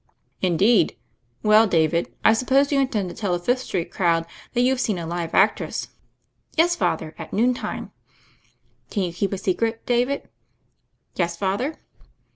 "Indeed I Well, David, I suppose you in tend to tell the Fifth Street hill crowd that you've seen a live actress." "Yes, Father, at noon time." "Can you keep a secret, David?" "Yes, Father."